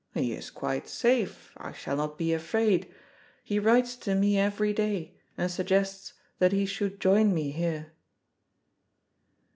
He is quite safe. I shall not be afraid. He writes to me every day, and suggests that he should join me here."